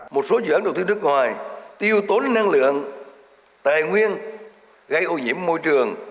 một số dự án đầu tư nước ngoài tiêu tốn năng lượng tài nguyên gây ô nhiễm môi trường